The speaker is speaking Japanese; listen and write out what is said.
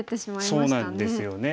そうなんですよね。